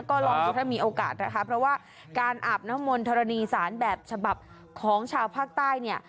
ก็ลองดูถ้ามีโอกาสนะคะเพราะว่าการอาบน้ำมนธรณีสารแบบฉบับของชาวภาคใต้เนี่ย